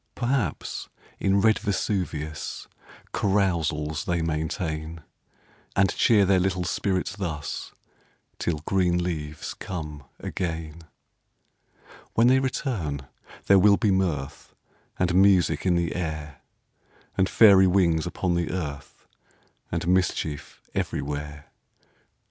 Perhaps, in red Vesuvius Carousals they maintain ; And cheer their little spirits thus, Till green leaves come again. When they return, there will be mirth And music in the air, And fairy wings upon the earth, And mischief everywhere.